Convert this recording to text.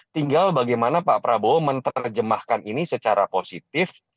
tinggal bagaimana pak prabowo menerjemahkan ini secara positif